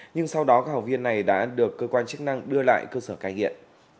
nhưng sau đó các học viên này đã được cơ quan chức năng đưa lại cơ sở cai nghiện